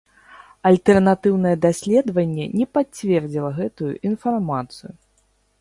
Альтэрнатыўнае даследаванне не пацвердзіла гэтую інфармацыю.